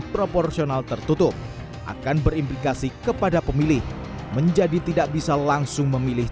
proporsional tertutup akan berimplikasi kepada pemilih menjadi tidak bisa langsung memilih